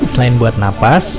selain buat nafas